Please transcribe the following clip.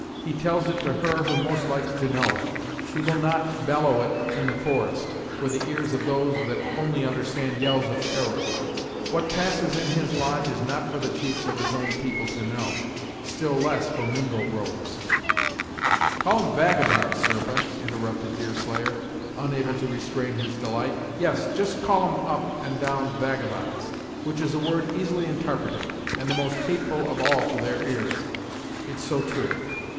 He tells it to her who most likes to know it; he will not bellow it in the forest, for the ears of those that only understand yells of terror. What passes in his lodge is not for the chiefs of his own people to know; still less for Mingo rogues " "Call 'em vagabonds, Sarpent " interrupted Deerslayer, unable to restrain his delight "yes, just call 'em up and down vagabonds, which is a word easily intarpreted, and the most hateful of all to their ears, it's so true.